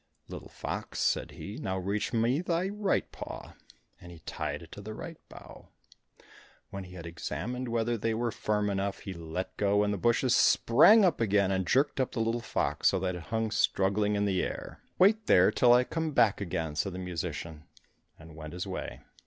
"Little fox," said he, "now reach me thy right paw" and he tied it to the right bough. When he had examined whether they were firm enough, he let go, and the bushes sprang up again, and jerked up the little fox, so that it hung struggling in the air. "Wait there till I come back again," said the musician, and went his way.